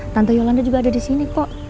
tante yolanda juga ada disini kok